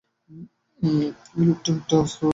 এই লোকটা একটা আস্ত উন্মাদ।